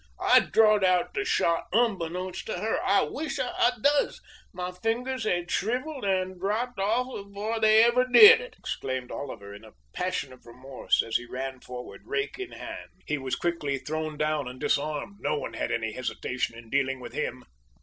I drawed out the shot unbeknownst to her! I wish, I does, my fingers had shriveled and dropped off afore they ever did it!" exclaimed Oliver, in a passion of remorse, as he ran forward, rake in hand. He was quickly thrown down and disarmed no one had any hesitation in dealing with him.